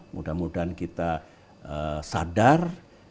mudah mudahan kita sadar